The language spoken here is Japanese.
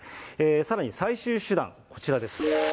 さらに最終手段、こちらです。